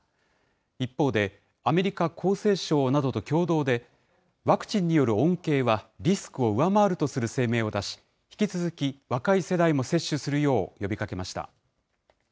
一方で、アメリカ厚生省などと共同で、ワクチンによる恩恵は、リスクを上回るとする声明を出し、引き続き若い世代も接種するよう呼びかけました。